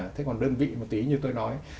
thế còn đơn vị một tí như tôi nói